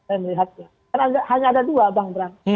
saya melihatnya kan hanya ada dua bang bram